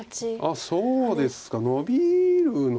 あっそうですか。ノビるの？